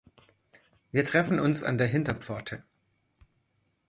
Wir treffen uns an der Hinterpforte!